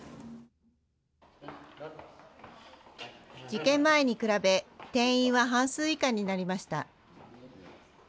事件前に比べ、定員は半数以下になりました。